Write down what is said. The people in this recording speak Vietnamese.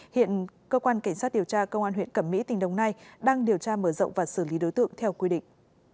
hiện cơ quan cảnh sát điều tra công an huyện cẩm mỹ tỉnh đồng nai đang điều tra mở rộng và xử lý đối tượng theo quy định